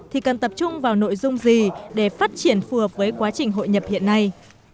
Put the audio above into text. thì cần tập trung vào nội dung gì để phát triển phù hợp với quá trình hội nhập hiện nay